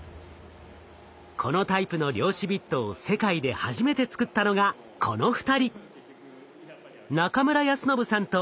このタイプの量子ビットを世界で初めて作ったのがこの２人。